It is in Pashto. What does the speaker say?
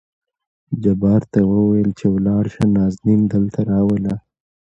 جبار ته يې ووېل چې ولاړ شه نازنين دلته راوله.